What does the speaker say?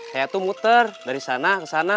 saya tuh muter dari sana